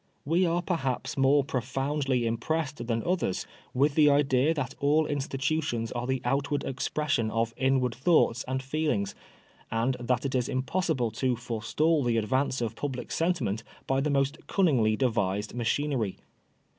We are perhaps more profoundly impressed than others with the idea that all institutions are the outward expression of inward thoughts and feelings, and that it is impossible to forestall the advance of public sentiment by the most cunningly devised machinery.